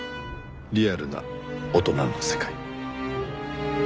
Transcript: リアルな大人の世界。